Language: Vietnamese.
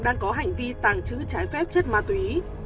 đang có hành vi tàng trữ trái phép chất ma túy